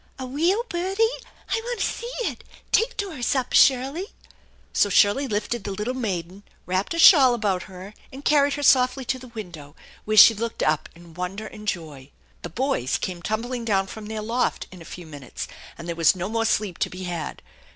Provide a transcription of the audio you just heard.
"A weel budie! I yantta see it ! Take Doris up, Sirley !" So Shirley lifted the little maiden, wrapped a shawl about her, and carried her softly to the window, where she looked Up in wonder and joy. Thf bovs came tumbling down from their loft in a few THE ENCHANTED BARN 143 minutes, and there was no more sleep to be had.